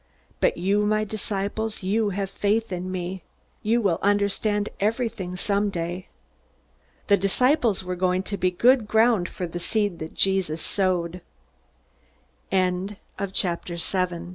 But you my disciples you have faith in me. You will understand everything someday." The disciples were going to be good ground for the seed that Jesus